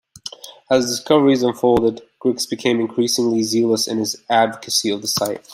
As the discoveries unfolded, Griggs became increasingly zealous in his advocacy of the site.